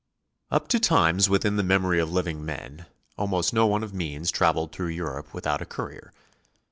Up to times within the memory of living men, almost no one of means traveled through Europe without a courier.